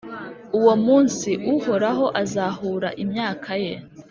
Uwo munsi, Uhoraho azahura imyaka ye,